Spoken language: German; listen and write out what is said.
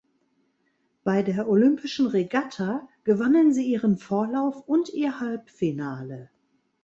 Bei der olympischen Regatta gewannen sie ihren Vorlauf und ihr Halbfinale.